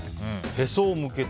へそを向けて。